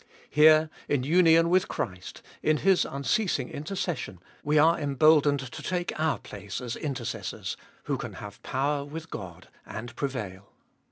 Here, in union with Christ, in His unceasing intercession, we are emboldened 356 ftbe iboltest of BU to take our place as intercessors, who can have power with God and prevail.